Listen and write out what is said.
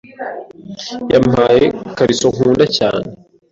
Yampaye ikariso nkunda cyane.